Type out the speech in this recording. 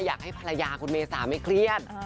อยากให้ภรรยาคุณเมษาไม่เครียด